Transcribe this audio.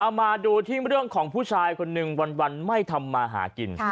มาดูที่เรื่องของผู้ชายคนหนึ่งวันไม่ทำมาหากิน